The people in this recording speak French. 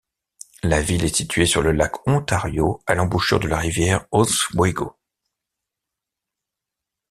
La ville est située sur le lac Ontario, à l'embouchure de la rivière Oswego.